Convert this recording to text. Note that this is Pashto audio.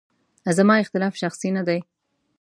زما اختلاف شخصي نه دی.